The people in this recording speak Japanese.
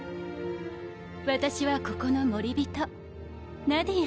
私はここの守り人ナディア。